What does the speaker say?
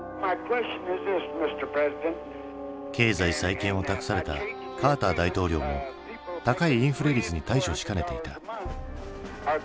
経済再建を託されたカーター大統領も高いインフレ率に対処しかねていた。